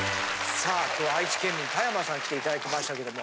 さあ今日は愛知県民田山さんに来ていただきましたけども。